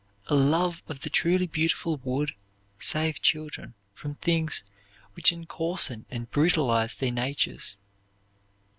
A love of the truly beautiful would save children from things which encoarsen and brutalize their natures.